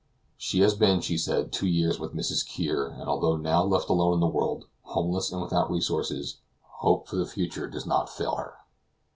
She had been, she said, two years with Mrs. Kear, and although now left alone in the world, homeless and without resources, hope for the future does not fail her.